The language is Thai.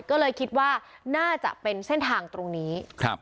ก็เลยคิดว่าน่าจะเป็นเส้นทางตรงนี้ครับ